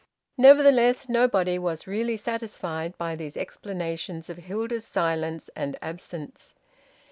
Nevertheless, nobody was really satisfied by these explanations of Hilda's silence and absence.